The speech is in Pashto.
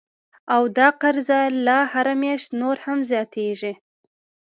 او دا قرضه لا هره میاشت نوره هم زیاتیږي